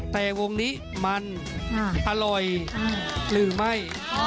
แต่วงนี้มันอร่อยหรือไม่